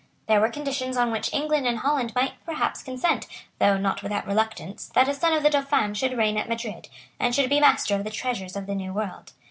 There were conditions on which England and Holland might perhaps consent, though not without reluctance, that a son of the Dauphin should reign at Madrid, and should be master of the treasures of the New World.